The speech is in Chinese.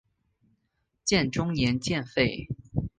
建中年间废。